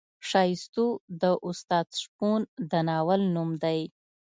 ښایستو د استاد شپون د ناول نوم دی.